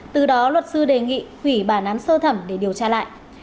từ đó luật sư đề nghị hủy bản án sơ thẩm để điều tra lại